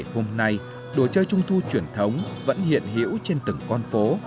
hôm nay đồ chơi trung thu truyền thống vẫn hiện hiểu trên từng con phố